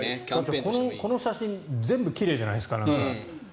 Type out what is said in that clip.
この写真全部奇麗じゃないですか。